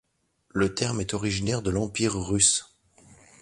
Le terme est originaire de l'Empire russe.